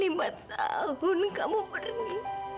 lima tahun kamu berdiri